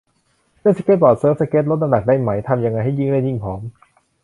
เล่นสเกตบอร์ด เซิร์ฟสเกต ลดน้ำหนักได้ไหม ทำยังไงให้ยิ่งเล่นยิ่งผอม